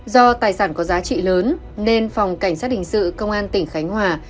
do tài sản có giá trị lớn nên phòng cảnh sát hình sự công an tỉnh khánh hòa